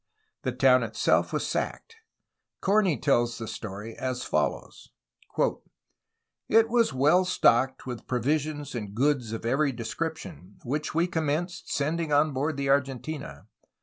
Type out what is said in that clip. The town itself was sacked. Corney tells the story as follows: "It was well stocked with provisions and goods of every descrip tion, which we commenced sending on board the Argentina.